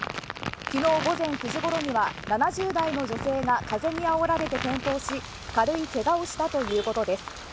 昨日午前９時ごろには７０代の女性が風にあおられて転倒し軽いけがをしたということです。